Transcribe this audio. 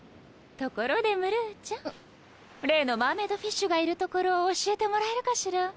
ところでムルーちゃん例のマーメイドフィッシュがいる所を教えてもらえるかしら？